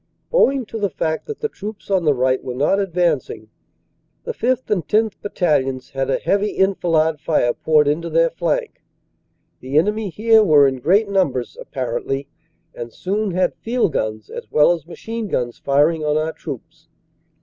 Owing to the fact that the troops on the right were not advancing, the 5th. and 10th. Battalions had a heavy enfilade fire poured into their flank. The enemy here were in great numbers appar ently, and soon had field guns as well as machine guns firing on our troops.